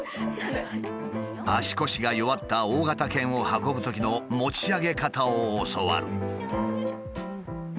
足腰が弱った大型犬を運ぶときの持ち上げ方を教わる。